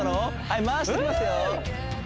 はい回していきますよ